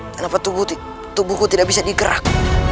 kenapa tubuhku tidak bisa digerak